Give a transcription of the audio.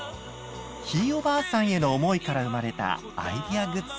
ひいおばあさんへの思いから生まれたアイデアグッズ。